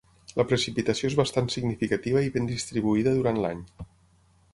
La precipitació és bastant significativa i ben distribuïda durant l'any.